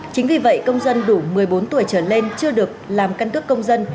chính vì vậy công dân đủ một mươi bốn tuổi trở lên chưa được làm căn cước công dân